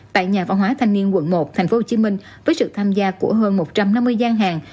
tại nhà văn hóa thanh niên quận một tp hcm với sự tham gia của hơn một trăm năm mươi gian hàng